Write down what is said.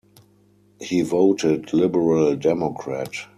He voted Liberal Democrat.